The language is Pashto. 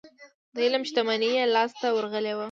د علم شتمني يې لاسته ورغلې وي.